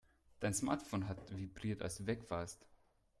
Dein Smartphone hat vibriert, als du weg warst.